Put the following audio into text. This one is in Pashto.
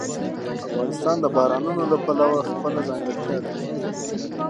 افغانستان د بارانونو له پلوه خپله ځانګړتیا لري.